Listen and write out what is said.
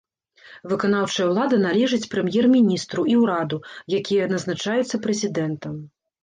Выканаўчая ўлада належыць прэм'ер-міністру і ўраду, якія назначаюцца прэзідэнтам.